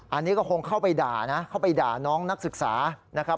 อันนี้ก็คงเข้าไปด่านะเข้าไปด่าน้องนักศึกษานะครับ